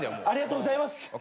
ありがとうございます。